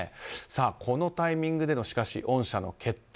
このタイミングでの恩赦の決定。